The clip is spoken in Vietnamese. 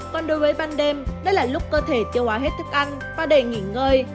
còn đối với ban đêm đây là lúc cơ thể tiêu hóa hết thức ăn và để nghỉ ngơi